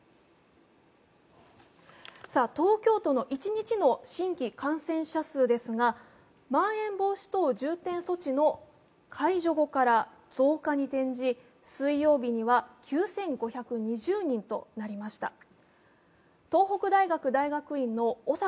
東京都の一日の新規感染者数ですが、まん延防止等重点措置の解除後から増加に転じ水曜日には９５２０人となりました。